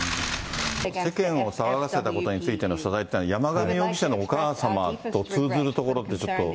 世間を騒がせたことについての謝罪っていうのは、山上容疑者のお母様と通ずるところってちょっと。